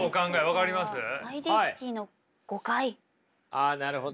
あなるほど。